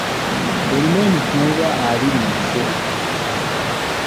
Olina emicungwa abiri mu kisero.